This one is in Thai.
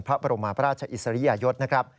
พระบรมพระราชอิสริยะยศ